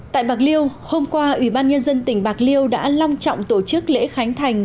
tại bạc liêu hôm qua ủy ban nhân dân tỉnh bạc liêu đã long trọng tổ chức lễ khánh thành